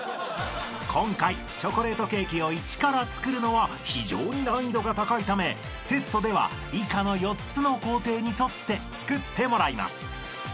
［今回チョコレートケーキを１から作るのは非常に難易度が高いためテストでは以下の４つの工程に沿って作ってもらいます］